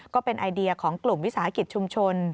ก็เป็นไอเดียของกลุ่มวิสาหกิจชุมชน